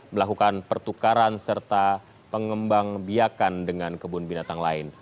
melakukan pertukaran serta pengembang biakan dengan kebun binatang lain